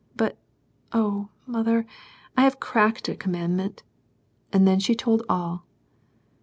But oh, mother, I have cracked a commandment :" and then she told all.